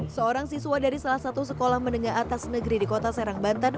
seorang siswa dari salah satu sekolah menengah atas negeri di kota serang banten